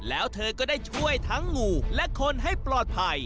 แล้วเธอก็ได้ช่วยทั้งงูและคนให้ปลอดภัย